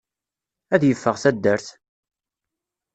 Ad yeffeɣ taddart!